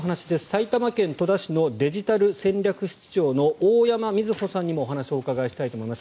埼玉県戸田市のデジタル戦略室長の大山水帆さんにもお話をお伺いしたいと思います。